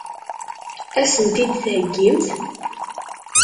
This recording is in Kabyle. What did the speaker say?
Ad sent-t-id-theggimt?